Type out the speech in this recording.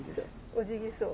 オジギソウ。